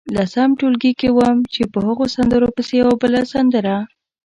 لسم ټولګي کې وم چې په هغو سندرو پسې یوه بله سندره.